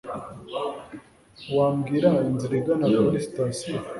wambwira inzira igana kuri sitasiyo